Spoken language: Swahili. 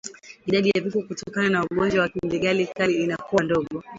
Idadi ya vifo kutokana na ugonjwa wa ndigana kali inakuwa ndogo